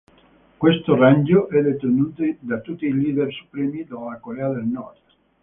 Questo rango è detenuto da tutti i leader supremi della Corea del Nord.